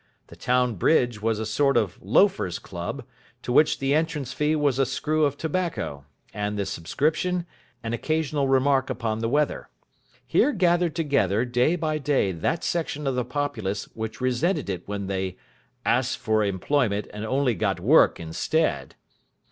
The town bridge was a sort of loafers' club, to which the entrance fee was a screw of tobacco, and the subscription an occasional remark upon the weather. Here gathered together day by day that section of the populace which resented it when they "asked for employment, and only got work instead".